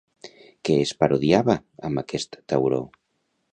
Què es parodiava amb aquest tauró?